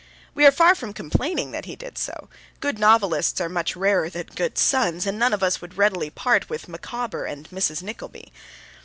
We are far from complaining that he did so. Good novelists are much rarer than good sons, and none of us would part readily with Micawber and Mrs. Nickleby.